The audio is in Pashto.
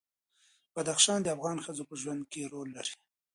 بدخشان د افغان ښځو په ژوند کې رول لري.